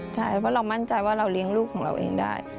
ใช่เพราะเรามั่นใจว่าเราเลี้ยงลูกของเราเองได้